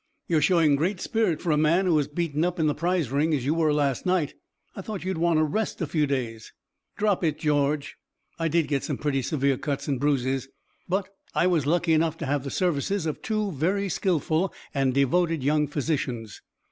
"You're showing great spirit for a man who was beaten up in the prize ring as you were last night. I thought you'd want to rest for a few days." "Drop it, George. I did get some pretty severe cuts and bruises, but I was lucky enough to have the services of two very skillful and devoted young physicians.